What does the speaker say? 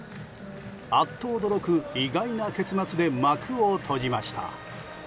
アッと驚く意外な結末で幕を閉じました。